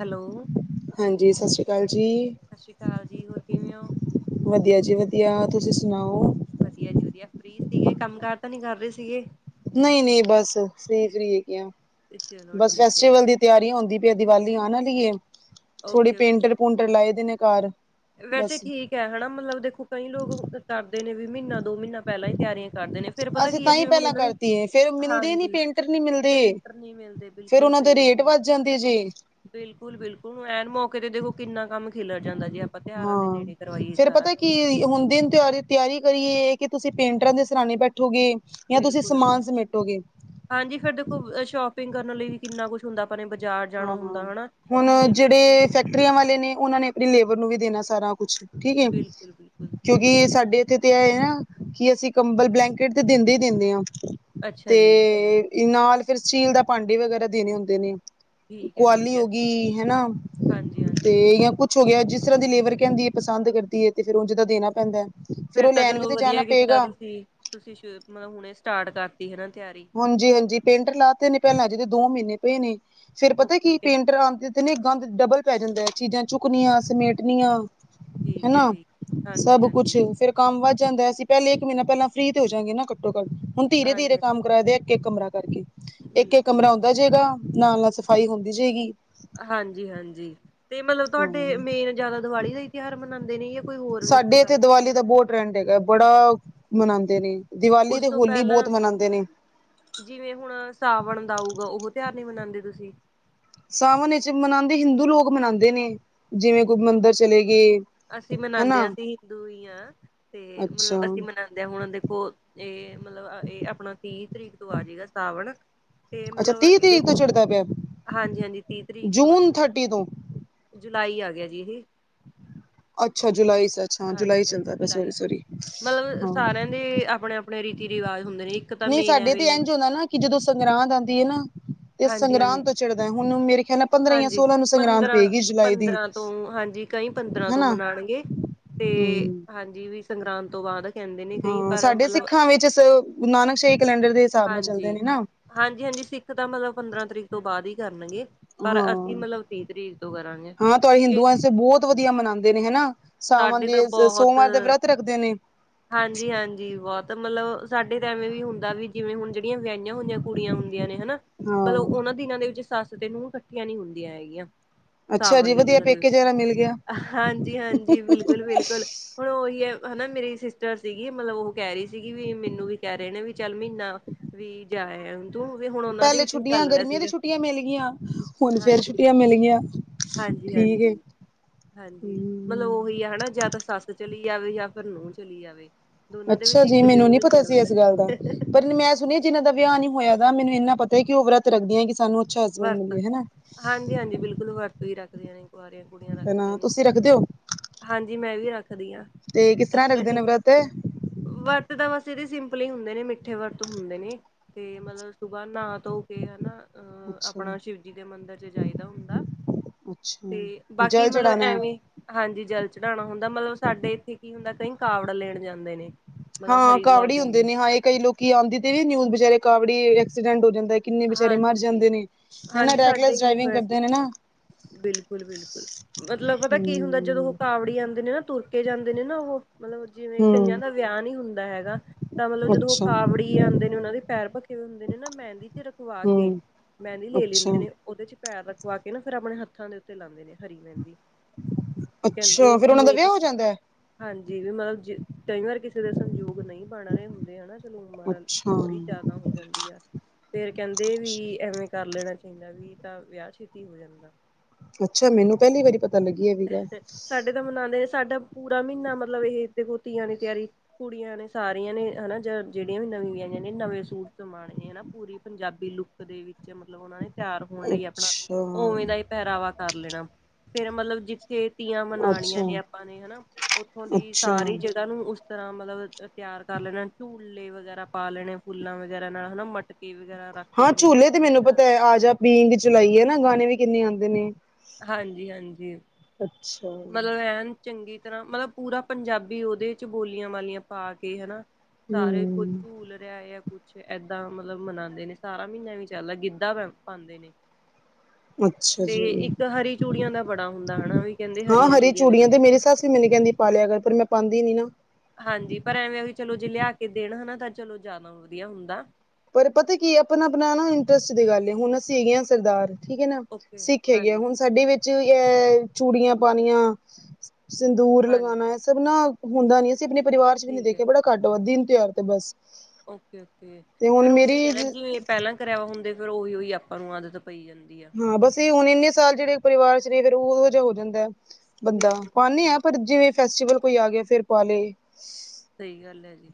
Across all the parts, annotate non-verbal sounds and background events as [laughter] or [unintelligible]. Hello ਹਾਂਜੀ ਸਸ ਸ਼ੀ ਕਾਲ ਜੀ। ਸਸ ਸ਼ੀ ਕਾਲ ਜੀ, ਹੋਰ ਕਿਵੇਂ ਓ? ਵਧੀਆ ਜੀ ਵਧੀਆ ਤੁਸੀਂ ਸੁਣਾਓ। ਵਧੀਆ ਜੀ ਵਧੀਆ ਫ੍ਈ ਸੀਗੇ ਕੰਮ ਕਾਰ ਤਾਂ ਨੀ ਕਰ ਰੇ ਸੀਗੇ। ਨਈ-ਨਈ ਬਸ ਫਰੀ-ਫਰੀ ਹੈਗੀਆ। ਤੇ ਚਲੋ ਠੀਕ ਏ ਜੀ। ਹੁੰਦੀ ਪੀ ਏ ਦੀਵਾਲੀ ਆਨ ਆਲੀ ਏ ਥੋੜੇ ਓਕੇ ਓਕੇ ਪੇਂਟਰ-ਪੂੰਟਰ ਲਾਏ ਦੇ ਨੇ ਕਾਰ। ਵੈਸੇ ਠੀਕ ਐ ਹਣਾ ਮਲਬ ਦੇਖੋ, ਕਈ ਲੋਕ ਕਰਦੇ ਨੇ ਵੀ ਮਈਨਾ ਦੋ ਮਈਨਾ ਪਹੇਲਾ ਹੀ ਤਿਆਰੀਆ ਕਰਦੇ ਨੇ ਫੇਰ ਪਤਾ ਅਸੀਂ ਕੀ ਐ ਤਾਂ ਹੀ ਜਿਵੇਂ ਹੁਣ ਪਹਿਲਾਂ ਉਹਨਾਂ ਨੇ ਕਰਤੀ ਹੈ ਫੇਰ ਮਿਲਦੇ ਨੀ ਹਾਂਜੀ ਪੇਂਟਰ ਨਹੀਂ ਮਿਲਦੇ ਪੇਂਟਰ ਨੀ ਮਿਲਦੇ। ਫੇਰ ਓਨਾਂ ਦੇ ਰੇਟ ਵੱਧ ਜਾਂਦੇ ਜੇ। ਬਿਲਕੁਲ-ਬਿਲਕੁਲ ਐਨ ਮੌਕੇ ਤੇ ਦੇਖੋ ਕਿੰਨਾ ਕੰਮ ਖਿਲਰ ਜਾਂਦਾ ਜੇ ਆਪਾ ਤਿ ਹਾਂ, ਫੇਰ ਪਤਾ ਕੀ ਹੁਣ ਦਿਨ ਤੇਆਰ ਦੀ ਤਿਆਰੀ ਕਰੀਏ ਕਿ ਤੁਸੀਂ ਪੇਂਟਰਾਂ ਦੇ ਸਰਾਨੇ ਬੈਠੋਗੇ। ਯਾ ਤੁਸੀਂ ਬਿਲਕੁਲ ਸਮਾਨ ਸਮੇਟੋਗੇ। ਹਾਂਜੀ ਫੇਰ ਦੇਖੋ ਸ਼ੋਪਿੰਗ ਕਰਨ ਲਈ ਵੀ ਕਿੰਨਾ ਕੁਛ ਹੁੰਦਾ। ਆਪਾ ਨੇ ਬਾਜ਼ਾਰ ਜਾਣਾ ਹਾਂ ਹੁੰਦਾ ਹਨਾ ਹੁਨ ਕਿੰਨੀਆਂ ਚੀਜ਼ਾਂ ਜੇੜੇ ਲਿਆਣੀਆਂ ਹੁੰਦੀਆਂ। ਫੈਕਟਰੀਆਂ ਵਾਲੇ ਨੇ ਓਨਾਂ ਨੇ ਆਪਨੀ ਲੇਬਰ ਨੂੰ ਵੀ ਦੇਨਾ ਸਾਰਾ ਕੁਛ। ਠੀਕ ਹੈ ਬਿਲਕੁਲ-ਬਿਲਕੁਲ ਸਈ ਕਿਉਂਕਿ ਗੱਲ ਐ। ਸਾਡੇ ਤੇ ਐ ਏ ਨਾ ਕਿ ਅਸੀਂ ਕੰਬਲ, ਬਲੈਂਕਟ ਤੇ ਦਿੰਦੇ ਹੀ ਦਿੰਨੇ ਆ ਅੱਛਾ ਜੀ ਤੇ ਨਾਲ ਫੇਰ ਸਟੀਲ ਦਾ ਭਾਂਡੇ ਵਗੈਰਾ ਦੇਨੇ ਹੁੰਦੇ ਨੇ। ਠੀਕ ਹੈ, ਠੀਕ ਕੁਆਲੀ ਹੋ ਹੈ। ਗੀ ਹਨਾ ਤੇ ਹਾਂਜੀ-ਹਾਂਜੀ ਯਾ ਕੁ ਹੋ ਗਿਆ ਜਿਸਰ੍ਹਾਂ ਦੀ ਲੇਬਰ ਕਹਿੰਦੀ ਏ ਪਸੰਦ ਕਰਦੀ ਏ ਤੇ ਫਿਰ ਉਝ ਦਾ ਦੇਨਾ ਪੈਂਦਾ। ਫਿਰ ਫੇਰ ਉਹ ਤਾਂ ਲੈਣ ਚਲੋ ਵੀ ਤੇ ਵਧੀਆ ਜਾਣਾ ਕੀਤਾ ਪਏਗਾ ਤੁਸੀਂ, ਤੁਸੀਂ ਸ਼ੇਰ ਮ ਹੁਣੇ ਸਟਾਰਟ ਕਰਤੀ ਹਨਾ ਤਿਆਰੀ। ਹਾਂਜੀ-ਹਾਂਜੀ ਪੇਂਟਰ ਲਾ ਤੇ ਨੇ ਪੇਲਾ ਜਿਹਦੇ ਦੋ ਮਹੀਨੇ ਪਏ ਨੇ ਫੇਰ ਪਤਾ ਕੀ ਓਕੇ-ਓਕੇ ਪੇਂਟਰ ਆਂਦੇ ਤੇ ਨੇ ਗੰਦ ਡਬਲ ਪੈ ਜਾਂਦਾ ਚੀਜ਼ਾਂ ਚੁੱਕਨੀਆਂ, ਸਮੇਟਨੀਆਂ। ਠੀਕ ਹੈ ਹਨਾਂ, ਠੀਕ ਸਭ ਹਾਂਜੀ-ਹਾਂਜੀ ਕੁਛ, ਫੇਰ ਕੰਮ ਵੱਧ ਜਾਂਦਾ ਅਸੀ ਬਿਲਕੁਲ ਪੈਲੇ ਮਹੀਨਾ ਪੈਲਾਂ ਫ੍ਰਰੀ ਤੇ ਹੋ ਜਾਂਗੇ ਨਾਂ। ਘੱਟੋ-ਘੱਟ ਹੁਣ ਧੀਰੇ-ਧੀਰੇ ਹਾਂਜੀ-ਹਾਂਜੀ ਕੰਮ ਕਰਾ ਦੇ, ਇੱਕ-ਇੱਕ ਕਮਰਾ ਕਰਕੇ। ਇੱਕ-ਇੱਕ ਬਿਲਕੁਲ ਕਮਰਾ ਹੁੰਦਾ ਜਏਗਾ। ਨਾਲ-ਨਾਲ ਸਫ਼ਾਈ ਹੁੰਦੀ ਜਾਏਗੀ। ਹਾਂਜੀ, ਹਾਂਜੀ ਤੇ ਮਤਲਬ ਤੁਹਾਡੇ ਹਾਂ ਮੇਨ ਜਿਆਦਾ ਦੀਵਾਲੀ ਦਾ ਈ ਤਿਉਹਾਰ ਮਨਾਉਂਦੇ ਨੇ ਜਾਂ ਕੋਈ ਹੋਰ ਵੀ ਇਸ ਤੋਂ ਸਾਡੇ ਇੱਥੇ ਪਹਿਲਾਂ ਮਨਾਉਂਦੇ ਦੀਵਾਲੀ ਨੇ ਦਾ ਬੋਤ ਟਰੈਂਡ ਹੈਗਾ, ਬੜਾ ਮਨਾਂਦੇ ਨੇ, ਦੀਵਾਲੀ ਉਸ ਤੇ ਤੋਂ ਹੋਲੀ ਬੋਤ ਪਹਿਲਾਂ ਮਨਾਂਦੇ ਨੇ। ਜਿਵੇਂ ਹੁਣ ਸਾਵਣ ਦਾ ਆਊਗਾ ਉਹ ਤਿਉਹਾਰ ਨੀਂ ਮਨਾਂਦੇ ਤੁਸੀਂ। ਸਾਵਨ ਇੱਚ ਮਨਾਂਦੇ, ਹਿੰਦੂ ਲੋਕ ਮਨਾਂਦੇ ਨੇ, ਜਿਵੇਂ ਕੋਈ ਮੰਦਿਰ ਚਲੇ ਗਏ। ਅਸੀਂ ਮਨਾਂਦੇ ਹਨਾ ਆ, ਅਸੀ ਹਿੰਦੂ ਈ ਆਂ ਤੇ ਅੱਛਾ ਮਤਲਬ ਅਸੀਂ ਮਨਾ ਤੇ ਹੁਣ ਦੇਖੋ ਏ ਮਤਲਬ ਏ ਆਪਣਾ ਤੀਹ ਤਰੀਕ ਤੋਂ ਆ ਜਏਗਾ ਸਾਵਣ। ਤੇ ਅੱਛਾ ਮਤਲਬ ਤੀਹ ਏਦੇ ਤਰੀਕ ਤੋਂ ਚ ਚੜ੍ਹਦਾ ਪਿਆ ਹਾਂਜੀ, ਹਾਂਜੀ ਤੀਹ ਤਰੀਕ ਤੋਂ ਏ। ਜੂਨ ਥਰਟੀ ਤੋਂ ਜੁਲਾਈ ਆ ਗਿਆ ਜੀ ਦੇ। ਅੱਛਾ, ਜੁਲਾਈ ਸੇ ਹਾਂਜੀ ਹਾਂਜੀ, ਜੁਲਾਈ ਤੋਂ। ਮਤਲਬ ਹਾਂ ਸਾਰਿਆਂ ਦੇ ਆਪਣੇ-ਆਪਣੇ ਰੀਤੀ ਰਿਵਾਜ ਹੁੰਦੇ ਨੇ। ਤਾਂ ਨਈਂ ਮੇਨ ਸਾਡੇ ਤੇ ਐਵੇਂ ਇੰਝ ਹੁੰਦਾ ਨਾਂ ਕਿ ਜਦੋਂ ਸੰਗਰਾਂਦ ਆਂਦੀ ਐ ਨਾਂ ਤੇ ਹਾਂਜੀ ਹਾਂਜੀ ਸੰਗਰਾਂਦ ਤੋਂ ਚੜਦਾ। ਹੁਣ ਮੇਰੇ ਖਿਆਲ ਨਾਲ ਪੰਦਰਾਂ ਜਾਂ ਹਾਂਜੀ ਸੋਲਾਂ ਨੂੰ ਸੰਗਰਾਂਦ ਪੰਦਰਾਂ ਪਏਗੀ ਜੁਲਾਈ ਦੀ। ਪੰਦਰਾਂ ਤੋਂ ਹਾਂਜੀ ਕਈ ਪੰਦਰਾਂ ਤੋਂ ਹਨਾ ਮਨਾਣਗੇ ਤੇ ਹਮ ਹਾਂਜੀ ਵੀ ਸੰਗਰਾਂਦ ਤੋਂ ਬਾਦ। ਹਾਂ, ਸਾਡੇ ਸਿੱਖਾਂ ਵਿੱਚ ਸੇ ਨਾਨਕ ਸ਼ਾਹੀ ਕੈਲੰਡਰ ਦੇ ਹਿਸਾਬ ਨਾਲ ਹਾਂਜੀ, ਚੱਲਦੇ ਨੇ ਨਾ ਹਾਂਜੀ, ਹਾਂਜੀ ਸਿੱਖ ਤਾਂ ਮਤਲਬ ਪੰਦਰਾਂ ਤਰੀਕ ਤੋਂ ਬਾਅਦ ਈ ਕਰਨਗੇ। ਪਰ ਹਾਂ ਅਸੀਂ ਮਤਲਬ ਤੀਹ ਤਰੀਕ ਤੋਂ ਕਰਾਂਗੇ। ਏ ਤੇ ਵਧੀਆ ਮਨਾਂਦੇ ਨੇ ਹਨਾਂ, ਸਾਵਨ ਸਾਡੇ ਤਾਂ ਦੇ ਸੋਮਵਾਰ ਦੇ ਵਰਤ ਰੱਖਦੇ ਨੇ। ਹਾਂਜੀ-ਹਾਂਜੀ, ਬੋਤ ਮਤਲਬ ਸਾਡੇ ਤੇ ਐਵੇਂ ਵੀ ਹੁੰਦਾ ਵੀ ਜਿਵੇਂ ਹੁਣ ਜਿਹੜੀਆਂ ਵਿਆਹੀਆਂ ਹੋਈਆਂ ਕੁੜੀਆਂ ਹੁੰਦੀਆਂ ਨੇ ਹਨਾਂ, ਮਤਲਬ ਹਾਂ ਓਨਾਂ ਦਿਨਾਂ ਦੇ ਵਿੱਚ ਸੱਸ ਤੇ ਨੂੰਹ ਕੱਠੀਆਂ ਨੀਂ ਹੁੰਦੀਆਂ ਹੈਗੀਆਂ। ਅੱਛਾ ਜੀ ਸਾਵਣ ਦੇ ਵਧੀਆ ਦਿਨਾਂ ਦੇ, ਪੇਕੇ ਜਰਾ ਮਿਲ ਗਿਆ ਹਾਂਜੀ-ਹਾਂਜੀ, ਬਿਲਕੁਲ-ਬਿਲਕੁਲ। ਹੁਣ ਓਹੀ ਐ ਹਨਾਂ, ਮੇਰੀ ਸਿਸਟਰ ਸੀਗੀ, ਮਤਲਬ ਓ ਕੈ ਰੀ ਸੀਗੀ ਵੀ ਮੈਨੂੰ ਵੀ ਕੈ ਰੇ ਨੇ ਵੀ ਚੱਲ ਮੀਂਨਾ ਵੀ ਜਾਇਆ ਤੂੰ ਵੀ ਹੁਣ। ਉਹਨਾਂ ਦੇ ਪੈਲੇ ਵਿੱਚ ਵੀ ਛੁੱਟੀਆਂ, ਚੱਲ ਰਿਹਾ ਗਰਮੀਆਂ ਦੀਆਂ ਸੀਗਾ ਛੁੱਟੀਆਂ ਮਿਲ ਗਈਆਂ। ਹੁਣ ਫੇਰ ਹਾਂਜੀ। ਛੁੱਟੀਆਂ ਮਿਲ ਗਈਆਂ। ਹਾਂਜੀ, ਠੀਕ ਹੈ ਹਾਂਜੀ, ਹਾਂਜੀ। ਮਤਲਬ ਹਮ ਉਹੀ ਆ ਹਨਾਂ, ਜਾਂ ਤਾਂ ਸੱਸ ਚਲੀ ਜਾਵੇ ਜਾਂ ਫਿਰ ਨੂੰਹ ਚਲੀ ਜਾਵੇ। ਦੋਨਾਂ ਦੇ ਅੱਛਾ ਵਿੱਚ ਜੀ, ਇੱਕ ਮੈਨੂੰ ਜਣੀ ਨੀਂ ਨੂੰ ਪਤਾ ਜਾਣਾ ਸੀ। ਇਸ ਗੱਲ ਦਾ ਪੈਂਦਾ ਪਰ ਨੀਂ ਮੈਂ ਸੁਣੀ ਜਿਨ੍ਹਾਂ ਦਾ ਵਿਆਹ ਨੀਂ ਹੋਆ ਦਾ, ਮੈਨੂੰ ਇੰਨਾ ਪਤਾ ਐ ਕਿ ਓ ਵਰਤ ਰੱਖਦੀਆਂ ਕਿ ਸਾਨੂੰ ਅੱਛਾ ਹਸਬੈਂਡ ਵਰਤ, ਮਿਲੇ ਹਨਾ ਹਾਂਜੀ ਹਾਂਜੀ ਬਿਲਕੁਲ ਵਰਤ ਵੀ ਰੱਖਦੀਆਂ ਨੇ, ਕੁਆਰੀਆਂ ਕੁੜੀਆਂ ਰੱਖਦੀਆਂ ਹਨਾ ਨੇ। ਤੁਸੀਂ ਰੱਖਦੇ ਹੋ ਹਾਂਜੀ, ਮੈਂ ਵੀ ਰੱਖਦੀ ਆਂ। ਤੇ ਕਿਸ ਤਰ੍ਹਾਂ ਰੱਖਦੇ ਨੇ ਵਰਤ ਵਰਤ ਤਾਂ ਬਸ ਏਦੇ ਸਿੰਪਲ ਈ ਹੁੰਦੇ ਨੇਂ, ਮਿੱਠੇ ਵਰਤ ਹੁੰਦੇ ਨੇ। ਤੇ ਮਤਲਬ ਸੁਬਾਹ ਨਾਂਅ ਧੋ ਕੇ ਹਨਾਂ ਅ ਅੱਛਾ ਆਪਣਾ ਸ਼ਿਵ ਜੀ ਦੇ ਮੰਦਿਰ ਚ ਜਾਈਦਾ ਹੁੰਦਾ ਤੇ ਅੱਛਾ ਬਾਕੀ ਜਲ ਮਤਲਬ ਚੜਾਣਾ ਐਵੇਂ ਹਾਂਜੀ, ਜਲ ਚੜ੍ਹਾਣਾ ਹੁੰਦਾ। ਮਤਲਬ ਸਾਡੇ ਇੱਥੇ ਕੀ ਹੁੰਦਾ ਕਈ ਕਾਵੜ ਲੈਣ ਜਾਂਦੇ ਨੇ। ਮਤਲਬ ਹਾਂ, ਹਰਿਦੁਆਰ ਕਾਵੜੀ ਹੁੰਦੇ ਜਾਂਦੇ ਨੇ ਹਾਂ ਇਹ ਕਈ ਲੋਕੀ ਆਂਦੀ ਤੇ ਵੀ ਨਿਊਜ਼ ਬੇਚਾਰੇ ਕਾਵੜੀ ਐਕਸੀਡੈਂਟ ਹੋ ਜਾਂਦਾ ਐ। ਕਿੰਨੇ ਬੇਚਾਰੇ ਮਰ ਹਾਂਜੀ, ਜਾਂਦੇ ਨੇ, ਹਨਾਂ ਹਾਂਜੀ ਸਾਡੇ ਰੈਕਲੈਸ ਵੀ ਡਰਾਵਿੰਗ ਹੋਇਆ ਸੀ ਕਰਦੇ ਨੇ ਇੱਕ ਵਾਰ ਨਾਂ। ਬਿਲਕੁਲ ਬਿਲਕੁਲ, ਮਤਲਬ ਪਤਾ ਕੀ ਹੁੰਦਾ ਜਦੋਂ ਹਮ ਕਾਵੜੀ ਆਂਦੇ ਨੇ ਨਾਂ, ਤੁਰਕੇ ਜਾਂਦੇ ਨੇ ਨਾਂ ਉਹੋ ਮਤਲਬ ਜਿਵੇਂ ਕਈਆਂ ਹਮ ਦਾ ਵਿਆਹ ਨਈਂ ਹੁੰਦਾ ਹੈਗਾ ਤਾਂ ਮਤਲਬ ਜਦੋਂ ਓ ਅੱਛਾ ਕਾਵੜੀ ਆਂਦੇ ਨੇ ਓਨਾਂ ਦੇ ਪੈਰ ਤੇ ਓ ਹੁੰਦੇ ਨੇ ਨਾਂ ਮਹਿੰਦੀ ਤੇ ਰਖਵਾ ਕੇ ਹਮ ਮਹਿੰਦੀ ਲੈ ਲੈਂਦੇ ਅੱਛਾ ਨੇ। ਓਦੇ ਚ ਪੈਰ ਰਖਵਾ ਕੇ ਨਾਂ ਫਿਰ ਆਪਣੇ ਹੱਥਾਂ ਦੇ ਉੱਤੇ ਲਾਂਦੇ ਨੇ ਹਰੀ ਮਹਿੰਦੀ। ਅੱਛਾ ਕੈਂਦੀ ਫੇਰ ਕਿ ਉਹਨਾਂ ਦਾ ਵਿਆਹ ਹੋ [unintelligible] ਜਾਂਦਾ ਹੈ? ਹਾਂਜੀ ਵੀ ਮਤਲਬ ਜੇ ਕਈ ਵਾਰ ਕਿਸੇ ਦੇ ਸੰਯੋਗ ਨਈ ਬਣ ਰਏ ਹੁੰਦੇ ਹਨਾ। ਲੂਨ ਮਾਰ ਥੋੜੀ ਅੱਛਾ ਜਾਦਾ ਹੋ ਜਾਂਦੀ ਐ। ਫੇਰ ਕੈਂਦੇ ਵੀ ਐਵੇਂ ਕਰ ਲੈਣਾ ਚਾਈਦਾ ਵੀ ਤਾਂ ਵਿਆ ਛੇਤੀ ਹੋ ਜਾਂਦਾ। ਅੱਛਾ ਮੈਨੂੰ ਕੈਂਦੀ ਬਈ ਸਾਡੇ ਤਾਂ ਮਨਾਦੇ ਨੇ ਸਾਡਾ ਪੂਰਾ ਮੀਨਾ ਮਤਲਬ ਏਹ ਦੇਖੋ ਤੀਆਂ ਦੀ ਤਿਆਰੀ ਕੁੜੀਆਂ ਨੇ ਸਾਰੀਆਂ ਨੇ ਹਨਾ ਜੇੜੀਆਂ ਵੀ ਨਵੀਂਆ ਵਿਆਹੀਆ ਨੇ ਨਵੇਂ ਸੂਟ ਸਮਾਣੇ ਹਨਾ ਪੂਰੀ ਪੰਜਾਬੀ ਲੁੱਕ ਦੇ ਵਿੱਚ ਮਤਲਬ ਓਨਾਂ ਨੇ ਤਿਆਰ ਹੋਣ ਲਈ ਆਪਣਾ ਅੱਛਾ ਉਵੇਂ ਦਾ ਪੈਰਾਵਾ ਕਰ ਲੈਣਾ ਫੇਰ ਮਤਲਬ ਜਿੱਥੇ ਤੀਆਂ ਮਨਾਣੀਆਂ ਅੱਛਾ ਨੇ ਆਪਾਂ ਨੇ ਹਨਾ ਓਥੋਂ ਦੀ ਅੱਛਾ ਸਾਰੀ ਜਗ੍ਹਾ ਨੂੰ ਤਰ੍ਹਾਂ ਮਤਲਬ ਤਿਆਰ ਕਰ ਲੈਣਾ ਝੂਲੇ ਵਗੈਰਾ ਪਾ ਲੈਣੇ ਫੁੱਲਾਂ ਵਗੈਰਾ ਨਾਲ ਹਨਾ ਮਟਕੇ ਵਗੈਰਾ ਰੱਖ ਹਾਂ ਲੈਣੇ ਝੂਲੇ ਤੇ ਮੈਨੂੰ ਪਤਾ ਐ ਜਾ ਬੀਗ ਚਲਾਈ ਹੈ ਨਾ ਗਾਣੇ ਵੀ ਕਿੰਨੇ ਆਦੇ ਨੇ ਹਾਂਜੀ-ਹਾਂਜੀ। ਅੱਛਾ। ਮਤਲਬ ਐਨ ਚੰਗੀ ਤਰ੍ਹਾਂ ਮਤਲਬ ਪੂਰਾ ਪੰਜਾਬੀ ਓਦੇ ਚ ਬੋਲੀਆਂ ਵਾਲੀਆਂ ਪਾ ਕੇ ਹਨਾ ਸਾਰੇ ਕੋ ਹਮ ਝੂਲ ਰਿਆ ਜਾਂ ਕੁੱਛ ਏਦਾਂ ਮਤਲਬ ਮਨਾਦੇ ਨੇ ਸਾਰਾ ਮੀਨਾ ਐਵੀ ਚੱਲਦਾ ਗਿੱਧਾ ਪਾਦੇ ਨੇ। ਅੱਛਾ ਤੇ ਜੀ ਇੱਕ ਹਰੀ ਚੂੜੀਆਂ ਦਾ ਬੜਾ ਹੁੰਦਾ ਹਨਾ ਵੀ। ਕਹਿੰਦੇ ਹਾਂ ਹਰੀਆਂ ਹਰੀ ਚੂੜੀਆਂ ਤੇ ਦਿੰਦੇ ਮੇਰੀ ਸੱਸ ਵੀ ਮੈਨੂੰ ਕੈਦੀ ਪਾ ਲਿਆ ਕਰ ਪਰ ਮੈਂ ਪਾਦੀ ਨੀ ਨਾ। ਹਾਂਜੀ ਪਰ ਐਵੇਂ ਚਲੋ ਜੇ ਲਿਆ ਕੇ ਦੇਣ ਹਨਾ ਤਾਂ ਚਲੋ ਜ਼ਿਆਦਾ ਵਧੀਆ ਹੁੰਦਾ। ਪਰ ਪਤਾ ਕੀ ਆਪਨਾ-ਆਪਨਾ ਨਾ ਇੰਟਰਸਟ ਦੀ ਗੱਲ ਹੁਣ ਅਸੀਂ ਹੈਗੇ ਹਾਂ ਸਰਦਾਰ ਠੀਕ ਐ ਨਾ ਓਕੇ ਸਿੱਖ ਹੈਗੇ ਆ ਹਾਂਜੀ ਹੁਣ ਸਾਡੇ ਵਿੱਚ ਯੈ ਚੂੜੀਆਂ ਪਾਨੀਆਂ। ਸੰਦੂਰ ਹਾਂਜੀ ਲਗਾਣਾ ਏਹ ਸਭ ਨਾ ਹੁੰਦਾ ਨੀ ਅਸੀਂ ਆਪਣੇ ਪਰਿਵਾਰ ਚ ਵੀ ਨੀ ਠੀਕ ਹੈ ਦੇਖਿਆ ਬੜਾ ਘੱਟ ਵੱਦ ਈ ਦਿਨ ਤਿਹਾਰ ਤੇ ਬਸ ਓਕੇ-ਓਕੇ ਤੇ ਹੁਣ ਫੇਰ ਓਵੀ ਮੇਰੀ ਐ ਨਾ ਜਿਵੇਂ ਪੈਲਾਂ ਕਰਵਾ ਹੁੰਦੇ ਫੇਰ ਓਹੀ-ਓਹੀ ਆਪਾਂ ਨੂੰ ਆਦਤ ਪਈ ਜਾਂਦੀ ਐ। ਹਾਂ ਬਸ ਏ ਹੁਣ ਇੰਨੇ ਸਾਲ ਜੇੜੇ ਪਰਿਵਾਰ ਚ ਰਈਏ ਫੇਰ ਓ ਓਹੋ ਜਿਹਾ ਹੋ ਜਾਂਦਾ ਐ। ਬੰਦਾ ਬਿਲਕੁਲ ਪਾਨੇ ਐ ਬਿਲਕੁਲ ਪਰ ਜਿਵੇਂ ਫੈਸਟੀਵਲ ਕੋਈ ਆ ਗਿਆ ਫੇਰ ਪਾ ਲੇ ਸਈ ਗੱਲ ਐ ਜੀ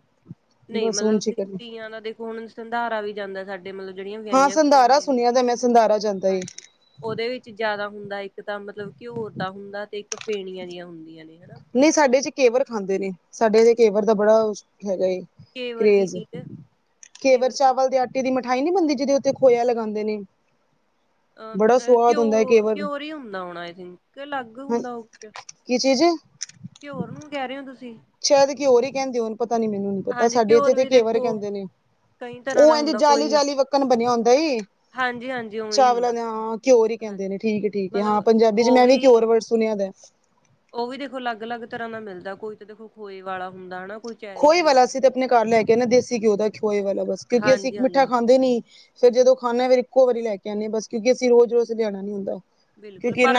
ਨਈ ਮਤਲਬ ਚਿਕਨ ਨੀ। ਤੀਆਂ ਦਾ ਦੇਖੋ ਹੁਣ ਸੰਧਾਰਾ ਵੀ ਜਾਂਦਾ ਸਾਡੇ ਤੇ ਮਤਲਬ ਜੇੜੀਆਂ ਹਾਂ ਵਿਆਹੀਆਂ ਕੁੜੀਆਂ ਸੰਧਾਰਾ ਹੁੰਦੀਆ ਨੇ, ਸੁਣਿਆ ਦਾ ਮੈਂ ਸੰਧਾਰਾ ਜਾਂਦਾ ਏ ਹਾਂਜੀ। ਓਦੇ ਵਿੱਚ ਜਾਦਾ ਹੁੰਦਾ ਇੱਕ ਤਾਂ ਮਤਲਬ ਘਿਓ ਦਾ ਹੁੰਦਾ ਤੇ ਇੱਕ ਫੇਣੀਆਂ ਜਿਆਂ ਹੁੰਦੀਆਂ ਨੇ ਹਨਾ ਨਈ ਸਾਡੇ ਚ ਕੇਵਰ ਖਾਂਦੇ ਨੇ ਸਾਡੇ ਚ ਕੇਵਰ ਦਾ ਬੜਾ ਹੈਗਾ ਏ। ਕੇ ਵਰਗੀ ਕਰੇਜ਼, ਚੀਜ਼ ਕੇ ਕੇਵਰ ਵਰਗੀ ਚਾਵਲ ਦੇ ਆਟੇ ਟੀ ਦੀ ਮਠਾਈ ਨੀ ਬਣਦੀ ਜਿਦੇ ਉੱਤੇ ਖੋਇਆ ਲਗਾਦੇ ਨੇ। ਬੜਾ ਅ ਸਵਾਦ ਘਿਓ ਹੁੰਦਾ ਹੈ ਕੇਵਰ ਘਿਓਰ ਹੀ ਹੁੰਦਾ ਹੋਣਾ ਆਈ ਥਿੰਕ ਕੇ ਅਲੱਗ ਹਾਂ ਹੁੰਦਾ ਓ। ਕੀ ਚੀਜ਼? ਘਿਓਰ ਨੂੰ ਕੈ ਰਏ ਓ ਤੁਸੀਂ? ਸ਼ੈਦ ਕਿਓਰ ਈ ਕੈਂਦੇ ਹੋਣ ਪਤਾ ਨੀ ਮੈਨੂੰ ਨੀ ਪਤਾ, ਹਾਂਜੀ ਸਾਡੇ ਇੱਥੇ ਘਿਓਰ ਤੇ ਵੀ ਕਿ ਕੇਵਰ ਦੇਖੋ ਕੈਦੇ ਨੇ। ਕਈ ਤਰ੍ਹਾਂ ਓ ਦਾ ਇੰਜ ਹੁੰਦਾ ਕੋਈ ਜਾਲੀ-ਜਾਲੀ ਵੱਕਣ ਬਣਿਆਂ ਹੁੰਦਾਂ ਈ। ਹਾਂਜੀ ਹਾਂਜੀ ਉਵੇਂ ਹੀ ਚਾਵਲਾਂ ਹੁੰਦਾ ਦੇ ਹਾਂ ਘਿਓਰ ਈ ਕੈਂਦੇ ਨੇਂ ਹਾਂ ਠੀਕ ਐ-ਠੀਕ ਐ ਹਾਂ ਮਤਲਬ ਪੰਜ਼ਾਬੀ ਚ ਮੈਂ ਵੀ ਘਿਓਰ ਵਰਡ। ਸੁੁਣਿਆਂ ਦਾ ਐਂ। ਓ ਵੀ ਦੇਖੋਂ ਅਲੱਗ-ਅਲੱਗ ਤਰਾ ਦਾ ਮਿਲ਼ਦਾ, ਕੋਈ ਤੇ ਦੇਖੋਂ ਖੋਏ ਵਾਲਾਂ ਹੁੰਦਾਂ ਹਨਾ। ਕੋਈ ਚੈਰੀ ਖੋਏ ਜੀ ਵਾਲਾਂ ਵਾਲਾ ਅਸੀਂ ਤੇ ਹੁੰਦਾ ਆਪਣੇਂ ਘਰ ਲ਼ੈ ਕੇ ਆਂਦੇ ਦੇਸੀ ਘਿਓ ਦਾ ਖੋਏ ਵਾਲਾਂ ਬਸ ਕਿਉਂਕਿ ਅਸੀਂ ਇੱਕ ਮਿੱਠਾ ਹਾਂਜੀ-ਹਾਂਜੀ ਖਾਂਦੇ ਨੀਂ। ਫ਼ਿਰ ਜਦੋਂ ਖਾਣੈ ਆ ਫੇਰ ਇੱਕੋਂ ਵਾਰੀਂ ਲੈ ਕੇ ਆਂਨੇ ਬਸ ਕਿਉਂਕਿ ਅਸੀਂ ਰੋਜ਼-ਰੋਜ਼ ਲਿਆਣਾ ਨੀਂ ਹੁੰਦਾਂ। ਬਿਲਕੁੱਲ ਪਰ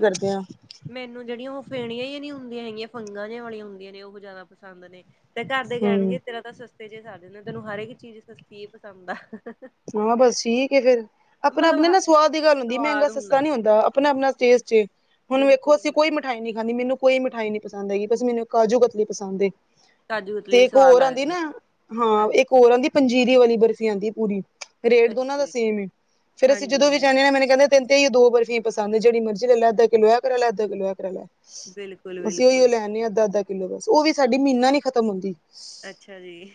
ਕਰਦੇ ਹਾਂ ਜੇੜੀਆਂ ਓ ਫੈਣੀਆਂ ਜੀਆ ਨੀਂ ਹੁੰਦੀਆਂ ਹੈਗੀਆਂ ਫੰਗਾਂ ਜਿਆਂ ਵਾਲੀਆਂ ਹੁੰਦੀਆਂ ਨੇਂ, ਓ ਜ਼ਿਆਦਾ ਪਸੰਦ ਨੇ ਤੇ ਘਰ ਦੇ ਹਮ ਕੈਣਗੇ ਤੇਰਾਂ। ਤੇਰਾਂ ਸਸਤੇ ਚ' ਸਰ ਜਾਂਦਾਂ, ਤੈਂਨੂੰ ਹਰ ਇੱਕ ਚੀਜ਼ ਸਸਤੀ ਏ ਪਸੰਦ ਹੈਂ। ਹਾਂ ਬਸ ਠੀਕ ਹੈਂ ਫ਼ਿਰ, ਆਪਣਾਂ ਮਤਲਬ ਆਪਣੇਂ ਹ ਨਾ ਸਵਾਦ ਦੀ ਗੱਲ਼ ਹੁੰਦੀਂ ਮਹਿੰਗਾ ਸਵਾਦ ਸਸ ਹੁੰਦਾ ਹੁੰਦਾਂ, ਆਪਣਾਂ -ਆਪਣਾਂ ਟੇਸਟ ਏਂ, ਹੁਣ ਵੇਖੋ ਅਸੀਂ ਬਿਲਕੁਲ-ਬਿਲਕੁਲ ਕੋਈ ਮਿਠਾਈ ਨੀਂ ਖਾਂਨੀ ਮੈਂਨੂੰ ਕੋਈ ਮਿਠਾਈ ਨੀਂ ਪਸੰਦ ਹੈਗੀ, ਬਸ ਮੈਂਨੂੰ ਕਾਜੂ ਕਤਲੀ ਪਸੰਦ ਏਂ। ਕਾਜੂ ਤੇ ਕਤਲੀ ਇੱਕ ਸਵਾਦ ਹੋਰ ਆਂਦੀ ਲੱਗਦੀ ਹੈ ਨਾ ਹਾਂ, ਹਾਂਜੀ ਇੱਕ ਹੋਰ ਆਂਦੀ ਪੰਜੀਰੀ ਵਾਲ਼ੀ ਬਰਫ਼ੀ ਆਂਦੀ ਹੈਂ ਪੂਰੀ, ਰੇਟ ਦੋਨਾਂ ਅੱਛਾ ਦਾ ਜੀ ਸੇਮ ਏਂ, ਫ਼ਿਰ ਅਸੀਂ ਜਦੋਂ ਵੀ ਹਾਂਜੀ-ਹਾਂਜੀ ਜਾਂਨੇ ਆ ਮੈਂਨੂੰ ਕਹਿੰਦੇ ਤੈਨੂੰ ਤੇ ਏਹੀਓ ਦੋ ਬਰਫ਼ੀ ਪਸੰਦ ਹੈਂ, ਜਿਹੜੀ ਮਰੀਜ਼ ਲ਼ੈ ਲਾ ਅੱਧਾ ਕਿੱਲੋ ਐਂ ਕਰਾਲਾ, ਅੱਧਾ ਕਿੱਲੋ ਕਰਾਂ ਲ਼ੈ। ਅਸੀਂ ਉਹੀਓ ਬਿਲਕੁਲ-ਬਿਲਕੁਲ ਲ਼ੈ ਆਨੇ ਹਾਂ ਅੱਧਾ- ਅੱਧਾ ਕਿੱਲੋ, ਬਸ ਉਹ ਵੀ ਸ਼ਾਡੀ ਮਹੀਨਾਂ ਨੀਂ ਖ਼ਤਮ ਹੁੰਦੀਂ। ਅੱਛਾ ਜੀ।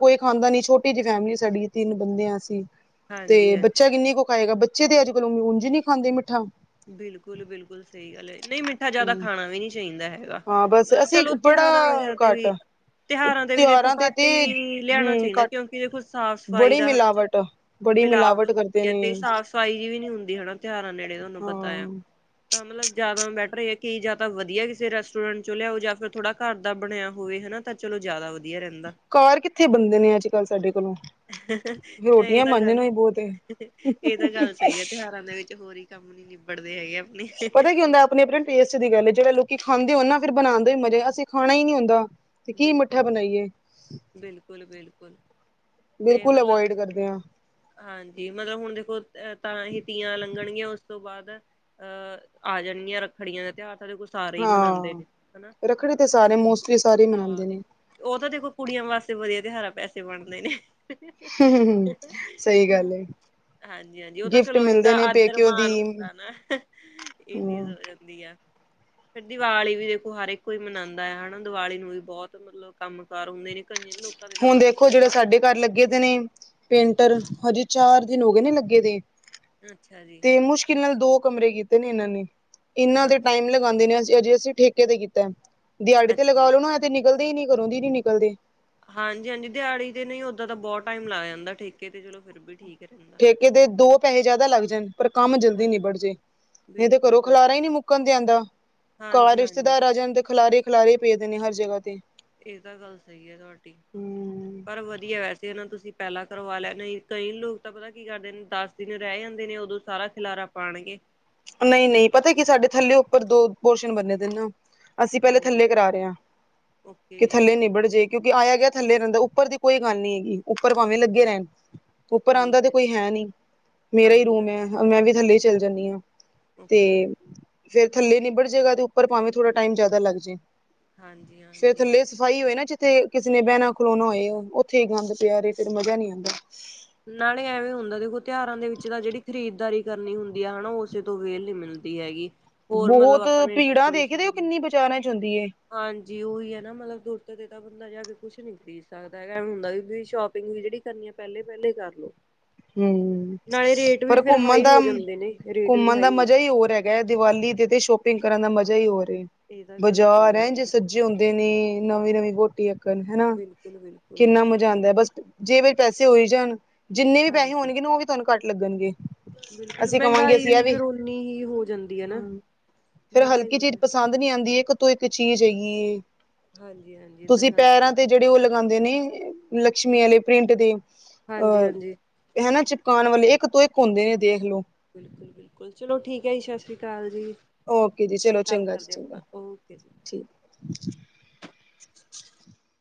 ਕੋਈ ਖਾਂਦਾ ਨੀਂ ਛੋਟੀ ਜਿਹੀ ਫੈਮਲੀ ਸ਼ਾਡੀ ਤਿੰਨ ਬੰਦੇ ਆ ਅਸੀਂ ਤੇ ਹਾਂਜੀ-ਹਾਂਜੀ ਬੱਚਾ ਕਿੰਨੀਂ ਕੁ ਖਾਏਗਾ, ਬੱਚੇ ਤੇ ਅੱਜ਼ ਕੱਲ੍ਹ ਉਂਝ ਨੀਂ ਖਾਂਦੇ ਮਿੱਠਾ। ਬਿਲਕੁੱਲ- ਬਿਲਕੁੱਲ ਸਹੀ ਗੱਲ਼ ਹੈਂ, ਨਹੀਂ ਮਿੱਠਾ ਜ਼ਿਆਦਾ ਹੂੰ। ਖਾਣਾਂ ਵੀ ਨੀਂ ਚਾਹੀਂਦਾ ਹੈਗਾ। ਹਾਂ ਬਸ ਮਤਲਬ ਅਸੀਂ ਚਲੋਂ ਬੜਾ ਤਿਉਹਾਰਾਂ ਵਗ਼ੈਰਾ ਤੇ ਘੱਟ ਵੀ ਤਿਉਹਾਰਾਂ ਤੇ ਵੀ ਦੇਖੋਂ ਤੇ ਘੱਟ ਤੇ ਹੀ ਲਿਆਣਾ ਹੂੰ ਚਾਹੀਂਦਾ, ਘੱਟ ਕਿਉਂਕਿ ਦੇਖੋਂ ਸਾਫ਼- ਸਫ਼ਾਈ ਬੜੀ ਦਾ ਹਨਾ। ਚਲੋਂ ਮਿਲਾਵਟ ਬੜੀ ਮਿਲਾਵਟ ਹੁੰਦੀਂ ਕਰਦੇ ਹੈਂ ਤੇ ਨੇ ਸਾਫ਼ -ਸਫ਼ਾਈ ਜਿਅ ਵੀ ਨੀਂ ਹੁੰਦੀ ਹਨਾ ਤਿਉਹਾਰਾਂ ਨੇੜ੍ਹੇ ਤੁਹਾਂਨੂੰ ਪਤਾਂ ਆ। ਹਾਂ ਤਾਂ ਮੱਤਲਬ ਜ਼ਿਆਦਾ ਬੈਟਰ ਆ ਕਿ ਜਾਂ ਤਾਂ ਵਧੀਆਂ ਕਿਸ਼ੇ ਰੈਸਟੋਰੈਂਟ ਚੋਂ ਲਿਆਓ ਜਾਂ ਫ਼ਿਰ ਥੋੜ੍ਹਾਂ ਘਰ ਦਾ ਬਣਿਆਂ ਹੋਵੇਂ ਹਨਾ ਤਾਂ ਚਲੋਂ ਜ਼ਿਆਦਾ ਵਧੀਆਂ ਰਹਿੰਦਾਂ। ਘਾਰ ਕਿੱਥੇ ਬਣਦੇ ਨੇਂ ਅੱਜ਼ ਕੱਲ੍ਹ ਸਾਡੇ ਕੋਲ਼ੋਂ। ਇਹ ਤਾਂ ਗੱਲ਼, ਏ ਇਹ ਤਾਂ ਗੱਲ਼ ਸਹੀ ਹੈਂ ਤਿਉਹਾਰਾਂ ਦੇ ਵਿੱਚ ਹੋਰ ਈ ਕੰਮ ਨੀਂ ਨਿੱਬੜਦੇ ਹੈਗੇ ਆ। ਪਤਾਂ ਕੀ ਹੁੰਦਾਂ ਆਪਣੇਂ- ਆਪਣੇਂ ਟੇਸਟ ਦੀ ਗੱਲ਼ ਹੈਂ ਜਿਵੇਂ ਲੋਕੀਂ ਖਾਂਦੇ ਹੋਣ ਨਾ ਫ਼ਿਰ ਬਣਾਣ ਦਾ ਵੀ ਮਜ਼ਾ ਅਸੀਂ ਖਾਣਾਂ ਹੀ ਨੀਂ ਹੁੰਦਾਂ। ਤੇ ਕੀ ਮਿੱਠਾ ਬਣਾਈਏ। ਬਿਲਕੁਲ-ਬਿਲਕੁਲ-ਬਿਲਕੁਲ ਤੇ ਬਿਲਕੁੱਲ ਮਤਲਬ ਅਵੋਇਡ ਕਰਦੇਂ ਹਾਂ। ਹਾਂਜੀ। ਮੱਤਲਬ ਹੁਣ ਦੇਖੋਂ ਅ ਤਾਂ ਹੀ ਤੀਆਂ ਲੰਘਣਗੀਆਂ ਉਸ ਤੋਂ ਬਾਅਦ ਅਹ ਆ ਜਾਣਗੀਆਂ ਰੱਖੜੀਆਂ ਦਾ ਤਿਉਹਾਰ ਸਾਡੇ ਕੋਲ਼ ਸਾਰੇ ਹੀ ਮਨਾਂਦੇ ਹਾਂ ਨੇਂ ਹਨਾ। ਰੱਖੜੀ ਤੇ ਸਾਰੇ ਮੌਸ ਸਾਰੇ ਉਹ ਤਾਂ ਦੇਖੋਂ ਕੁੜੀਆਂ ਵਾਸਤੇ ਵਧੀਆਂ ਤਿਉਹਾਰ ਆ ਪੈਸੇ ਬਣਦੇ ਨੇਂ। ਸਹੀ ਗੱਲ਼ ਏਂ। ਹਾਂਜੀ- ਹਾਂਜੀ ਉਹ ਤਾਂ ਚਲੋਂ ਇੱਕ ਆਦਰ ਪੇਕਿਓ ਦੀ ਮਾਣ ਹੁੰਦਾਂ ਨਾ। ਇਹ ਚੀਜ਼ ਹੂੰ, ਹੋ ਜਾਂਦੀ। ਫ਼ਿਰ ਦੀਵਾਲ਼ੀ ਵੀ ਦੇਖੋਂ ਹਰ ਇੱਕ ਕੋਈ ਮਨਾਦਾ ਹੈਂ ਹਨਾ ਦੀਵਾਲ਼ੀ ਨੂੰ ਵੀ ਬਹੁਤ ਮੱਤਲਬ ਕੰਮ ਕਾਰ ਹੁੰਦੇ ਨੇਂ ਕਈਆਂ ਲੋਕ ਹੁਣ ਦੇਖੋਂ ਜਿਹੜੇ ਸਾਡੇ ਘਰ ਲੱਗੇਂ ਦੇ ਨੇਂ, ਪੇਂਟਰ ਹਾਂਜੀ ਹਜੇ ਚਾਰ ਦਿਨ ਹੋਗੇ ਨੇਂ ਲੱਗੇਂ ਦੇ। ਅੱਛਾ ਜੀ। ਤੇ ਮੁਸ਼ਕਿਲ ਨਾਲ਼ ਦੋ ਕਮਰੇ ਕੀਤੇ ਨੇਂ ਇਹਨਾਂ ਨੇ। ਇਹਨਾਂ ਦੇ ਹਾਂਜੀ ਟਾਇਮ ਲੱ ਲਗਾਉਂਦੇ ਨੇਂ ਅਸੀਂ ਅਜ਼ੇ ਅਸੀਂ ਠੇਕੇ ਤੇ ਕੀਤਾਂ। ਦਿਹਾੜੀ ਤੇ ਅੱਛਾ ਲਗਾਂ ਜੀ ਲਓ ਨਾ ਤੇ ਨਿਕਲ਼ਦੇ ਹੀ ਨੀਂ ਕਰੋਂ ਦੀ ਨੀਂ ਨਿਕਲ਼ਦੇ। ਹਾਂਜੀ‍- ਹਾਂਜੀ, ਦਿਹਾੜੀ ਤੇ ਨਹੀਂ ਓਦਾਂ ਤੇ ਬਹੁਤ ਟਾਇਮ ਲੱਗ ਜਾਂਦਾਂ ਠੇਕੇ ਤੇ ਚਲੋਂ ਫ਼ਿਰ ਵੀ ਠੀਕ। ਰਹਿੰਦਾ। ਠੇਕੇ ਦੇ ਦੋ ਪੈਹੇ ਜ਼ਿਆਦਾ ਲੱਗ ਜਾਣ, ਪਰ ਕੰਮ ਜ਼ਲਦੀ ਹਾਂਜੀ। ਨਿਬੜ ਜੇ। ਨਹੀਂ ਤੇ ਘਰੋਂ ਬਿਲਕੁਲ-ਬਿਲਕੁਲ, ਖਲਾਰਾ ਹੀ ਨੀਂ ਮੁੱਕਣ ਤੇ ਆਂਦਾ। ਘਰ ਹਾਂਜੀ-ਹਾਂਜੀ ਰਿਸ਼ਤੇਦਾਰ ਆ ਜਾਂਣ ਤੇ ਖਲਾਰੇ ਖਲਾਰੇ ਹੀ ਪਏ ਦੇ ਨੇਂ ਹਰ ਜਗ੍ਹਾ ਤੇ। ਇਹ ਤਾਂ ਗੱਲ਼ ਸਹੀ ਹੈਂ ਤੁਹਾਡੀ। ਹਮ ਪਰ ਵਧੀਆ ਵੈਸੇ ਇਹ ਨਾ ਤੁਸੀਂ ਪਹਿਲਾਂ ਕਰਵਾ ਲਿਆ ਨਹੀਂ ਕਈ ਲੋਕ ਤਾਂ ਪਤਾ ਕੀ ਕਰਦੇ ਨੇ ਦਿਨ ਰਹਿ ਜਾਂਦੇ ਨੇ, ਉਦੋਂ ਸਾਰਾ ਖਿਲਾਰਾ ਪਾਣਗੇ। ਨਹੀਂ-ਨਹੀਂ, ਪਤਾ ਕੀ ਸਾਡੇ ਥੱਲੇ-ਉੱਪਰ ਦੋ ਪੋਸ਼ਨ ਬਨੇਦੇ ਨਾ। ਅਸੀਂ ਪਹਿਲੇ ਹਾਂਜੀ। ਥੱਲੇ ਕਰਾ ਰਹੇ ਹਾਂ, ਕਿ ਓਕੇ ਥੱਲੇ ਨਿਬੜ ਜੇ। ਕਿਉਂਕਿ ਆਇਆ-ਗਿਆ ਥੱਲੇ ਰਹਿੰਦਾ, ਉੱਪਰ ਦੀ ਕੋਈ ਗੱਲ ਨੀ ਹੈਗੀ ਉੱਪਰ ਭਾਵੇਂ ਲੱਗੇ ਰਹਿਣ। ਉੱਪਰ ਆਂਦਾ ਠੀਕ ਤੇ ਹੈ ਕੋਈ ਹੈਨੀ, ਮੇਰਾ ਹੀ ਰੂਮ ਹਾਂਜੀ-ਹਾਂਜੀ ਐ, 'ਮੈਂ'ਵੀ ਥੱਲੇ ਹੀ ਚੱਲ ਜਾਂਦੀ ਹਾਂ। ਤੇ, ਓਕੇ ਫਿਰ ਥੱਲੇ ਨਿਬੜ ਜੇਗਾ, ਤੇ ਉੱਪਰ ਭਾਂਵੇ ਥੋੜਾ ਟਾਈਮ ਜਿਆਦਾ ਲੱਗਜੇ। ਸੇ ਹਾਂਜੀ-ਹਾਂਜੀ। ਥਲੇ ਸਫਾਈ ਹੋਏ ਨਾ ਜਿੱਥੇ, ਕਿਸੇ ਨੇ ਬਹਿਣਾ-ਖਲੋਣਾ ਹੋਏ, ਉੱਥੇ ਹੀ ਗੰਦ ਪਿਆ ਰਹੇ ਫਿਰ ਮਜ਼ਾ ਨਹੀਂ ਆਂਦਾ। ਨਾਲੇ ਐਵੇਂ ਹੁੰਦਾ ਦੇਖੋ, ਤਿਉਹਾਰਾਂ ਦੇ ਵਿੱਚ ਤਾਂ ਜਿਹੜੀ ਖਰੀਦਦਾਰੀ ਕਰਨੀ ਹੁੰਦੀ ਆ, ਹਨਾ ਉਸੇ ਤੋਂ ਵ੍ਹੇਲ ਨੀ ਮਿਲਦਾ। ਤੀ ਹੈਗੀ, ਹੋਰ ਮਤਲਬ ਬਹੁਤ ਆਪਾਂ ਨੇ ਭੀੜਾਂ ਡੈਕੋਰੇਸ਼ਨ ਦੇਖਦੇ ਹੋ ਕਰਨ ਕਿੰਨੀ ਬਾਜ਼ਾਰਾਂ ਚ ਹੁੰਦੀ ਏ ਹਾਂਜੀ, ਉਹੀ ਹੈ ਨਾ ਮਤਲਬ ਦੂਰ ਤੇ ਤਾਂ ਬੰਦਾ ਜਾਕੇ ਕੁਛ ਨੀ ਖਰੀਦ ਸਕਦਾ ਹੈਗਾ, ਐਵੇਂ ਹੁੰਦਾ ਵੀ ਸ਼ੌਪਿੰਗ ਵੀ ਜਿਹੜੀ ਕਰਨੀਆਂ, ਪਹਿਲੇ-ਪਹਿਲੇ ਕਰਲੋ। ਹੂੰ, ਪਰ ਘੁੰਮਣ ਦਾ, ਹੋ ਜਾਂਦੇ ਨੇ ਰੇਟ ਵੀ ਘੁੰਮਣ ਦਾ ਹਾਈ ਹੋ ਮਜਾ ਹੀ ਜਾਂਦੇ ਹੋਰ ਏ। ਗੇ, ਦੀਵਾਲੀ ਦੇ ਤੇ ਸ਼ੋਪਿੰਗ ਕਰਨ ਦਾ ਮਜ਼ਾ ਹੀ ਹੋਰ ਏ। ਇਹ ਤਾਂ ਗੱਲ ਬਜ਼ਾਰ ਸਹੀ ਹੈ ਐਜ ਤੁਹਾਡੀ ਸੱਜੇ ਹੁੰਦੇ ਨੇ, ਨਵੀਂ-ਨਵੀਂ ਵੋਟੀ ਏਕਣ, ਹੈਨਾ। ਬਿਲਕੁਲ ਬਿਲਕੁਲ। ਜਾਂਦਾ, ਬਸ ਜੇਬ'ਚ ਪੈਸੇ ਹੋਈ ਜਾਣ, ਜਿੰਨੇ ਵੀ ਪੈਸੇ ਹਾਂਜੀ ਹੋਣਗੇ ਨਾ, ਉਹ ਵੀ ਤੁਹਾਨੂੰ ਘੱਟ ਲੱਗਣਗੇ। ਬਿਲਕੁਲ, ਅਸੀਂ ਕਵਾਂਗੇ ਮਹਿੰਗਾਈ ਅਸੀਂ ਇਹ ਵੀ ਫਿਰ ਓਨੀ ਹੀ ਹੋ ਜਾਂਦੀ ਹੈ ਨਾ, ਹਾਂ ਫੇਰ ਮਹਿੰਗਾਈ ਹਲਕੀ ਵੀ ਚੀਜ਼ ਫਿਰ ਪਸੰਦ ਨਹੀਂ ਆਂਦੀ, ਇੱਕ ਤੋਂ ਇੱਕ ਚੀਜ਼ ਹੇਗੀ ਏ, ਹਾਂਜੀ ਹਾਂਜੀ ਇਹ ਤਾਂ ਤੁਸੀਂ ਗੱਲ ਪੈਰਾਂ ਸਹੀ ਤੇ ਜਿਹੜੇ ਉਹ ਲਗਾਂਦੇ ਨੇ, ਲਕਸ਼ਮੀ ਵਾਲੇ ਪ੍ਰਿੰਟ ਦੇ ਹਾਂਜੀ ਅਹ ਹਾਂਜੀ ਹੈਨਾ ਚਿਪਕਾਣ ਵਾਲੇ ਇੱਕ ਤੋਂ ਇੱਕ ਹੁੰਦੇ ਨੇ, ਦੇਖਲੋ। ਬਿਲਕੁਲ-ਬਿਲਕੁਲ, ਚਲੋ ਠੀਕ ਹੈ ਜੀ, ਸਤਿ ਸ਼੍ਰੀ ਅਕਾਲ ਜੀ। ਓਕੇ ਜੀ, ਚਲੋ ਗੱਲ ਚੰਗਾ ਜੀ, ਕਰਦੇ ਚੰਗਾ, ਆਪਾਂ ਓਕੇ ਜੀ ਠੀਕ।